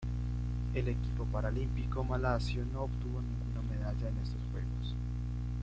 El equipo paralímpico malasio no obtuvo ninguna medalla en estos Juegos.